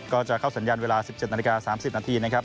ก็จะเข้าสัญญาณเวลา๑๗นาฬิกา๓๐นาทีนะครับ